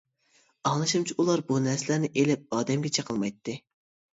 ئاڭلىشىمچە ئۇلار بۇ نەرسىلەرنى ئېلىپ ئادەمگە چېقىلمايتتى.